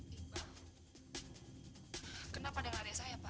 kayaknya kau sama terus itu